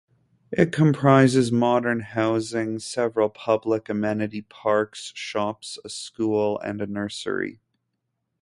It comprises modern housing, several public amenity parks, shops, a school and a nursery.